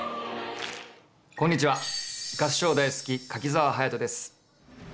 こんにちは合唱大好き柿澤勇人です。